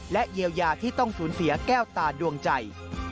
เยียวยาที่ต้องสูญเสียแก้วตาดวงใจ